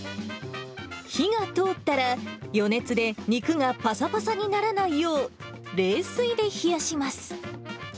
火が通ったら、余熱で肉がぱさぱさにならないよう、冷水で冷やします。